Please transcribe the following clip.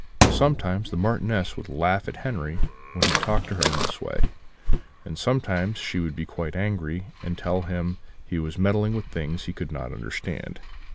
Sometimes the Marchioness would laugh at Henri when he talked to her in this way; and sometimes she would be quite angry, and tell him that he was meddling with things he could not understand.